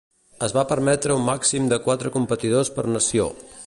Es va permetre un màxim de quatre competidors per nació.